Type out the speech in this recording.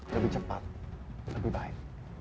lebih cepat lebih baik